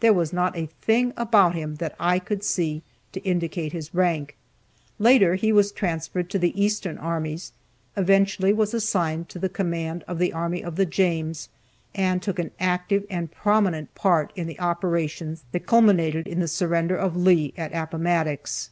There was not a thing about him, that I could see, to indicate his rank. Later he was transferred to the eastern armies, eventually was assigned to the command of the Army of the James, and took an active and prominent part in the operations that culminated in the surrender of Lee at Appomattox.